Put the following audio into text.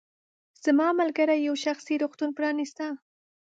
زما ملګرې یو شخصي روغتون پرانیسته.